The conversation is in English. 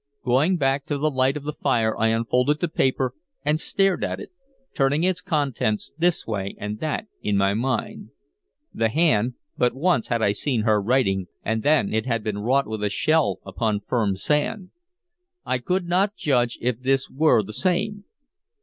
Going back to the light of the fire I unfolded the paper and stared at it, turning its contents this way and that in my mind. The hand but once had I seen her writing, and then it had been wrought with a shell upon firm sand. I could not judge if this were the same.